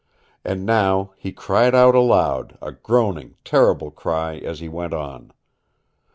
And now he cried out aloud, a groaning, terrible cry as he went on.